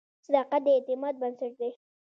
• صداقت د اعتماد بنسټ دی.